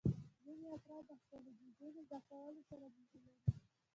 ځینې افراد د خپلو جېبونو ډکولو سره مینه لري